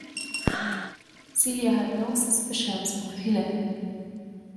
Celia had no suspicions of Helene.